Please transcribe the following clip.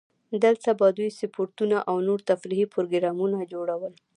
دلته به دوی سپورتونه او نور تفریحي پروګرامونه جوړول.